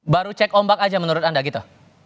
baru cek ombak aja menurut anda gitu